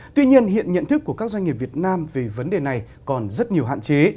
tuy nhiên hiện nhận thức của các doanh nghiệp việt nam về vấn đề này còn rất nhiều hạn chế